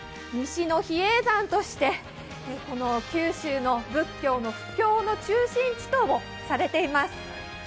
西の比叡山として九州の仏教の布教の中心地とされています。